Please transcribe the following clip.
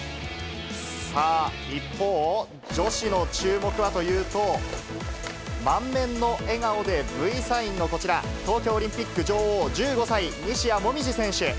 さあ、一方、女子の注目はというと、満面の笑顔でＶサインのこちら、東京オリンピック女王、１５歳、西矢椛選手。